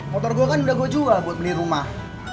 motor gue kan udah gue jual buat beli rumah